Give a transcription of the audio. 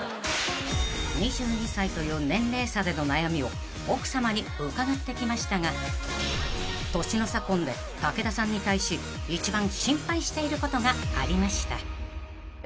［２２歳という年齢差での悩みを奥さまに伺ってきましたが年の差婚で武田さんに対し一番心配していることがありました］